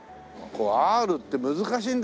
Ｒって難しいんだよね。